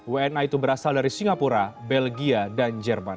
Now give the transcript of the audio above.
wna itu berasal dari singapura belgia dan jerman